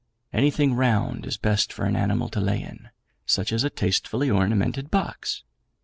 Anything round is best for an animal to lay in; such as a tastefully ornamented box.